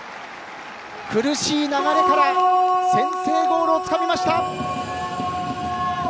苦しい流れから先制ゴールをつかみました。